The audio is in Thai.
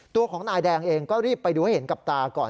ตัวของนายแดงเองก็รีบไปดูให้เห็นกับตาก่อน